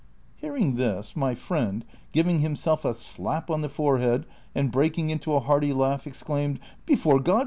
Hearing this, my friend, giving himself a slap on the fore head and breaking into a hearty laugh, exclaimed, " Before (rod.